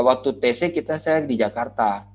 waktu tc kita saya di jakarta